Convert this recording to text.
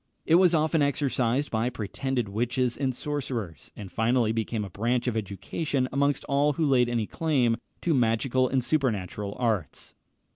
It was often exercised by pretended witches and sorcerers, and finally became a branch of education amongst all who laid any claim to magical and supernatural arts.